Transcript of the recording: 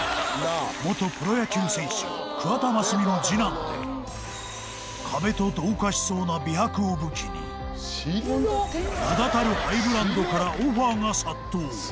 元プロ野球選手桑田真澄の次男で壁と同化しそうな美白を武器に名だたるハイブランドからオファーが殺到